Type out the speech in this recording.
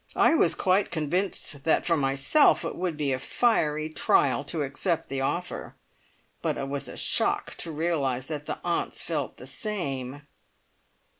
I was quite convinced that for myself it would be a fiery trial to accept the offer; but it was a shock to realise that the aunts felt the same!